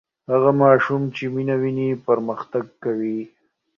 هغه ماشوم چې مینه ویني پرمختګ کوي.